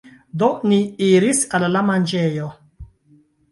Do, ni iris al la manĝejo.